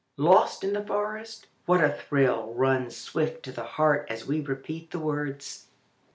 ] Lost in the forest! What a thrill runs swift to the heart as we repeat the words!